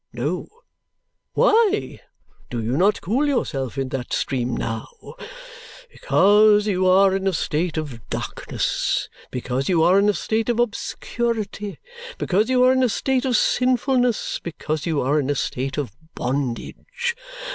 No. Why do you not cool yourself in that stream now? Because you are in a state of darkness, because you are in a state of obscurity, because you are in a state of sinfulness, because you are in a state of bondage.